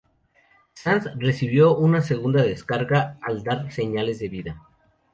Sanz recibió una segunda descarga al dar señales de vida.